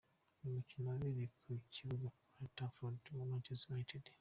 Ni umukino wabereye ku kibuga Old Trafford cya Manchester United.